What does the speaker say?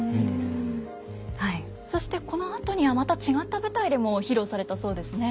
そしてこのあとにはまた違った舞台でも披露されたそうですね。